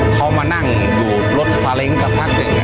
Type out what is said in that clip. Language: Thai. เขามานั่งดูดลดซาเล้งกระทักอย่างเนี่ย